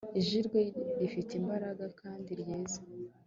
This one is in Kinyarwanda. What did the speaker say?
ijwi rye rifite imbaraga kandi ryiza